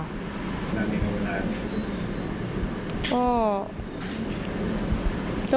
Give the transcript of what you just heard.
นานเดียวกันเวลาอย่างไรครับ